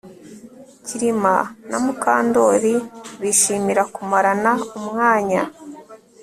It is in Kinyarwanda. Kirima na Mukandoli bishimira kumarana umwanya